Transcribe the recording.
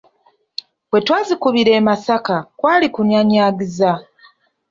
Bwe twazikubira e Masaka kwali kunyaanyaagiza.